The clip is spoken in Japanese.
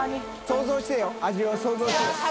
想像してよ味を想像してよ。